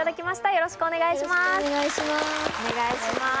よろしくお願いします。